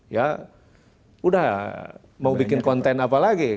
ya udah mau bikin konten apa lagi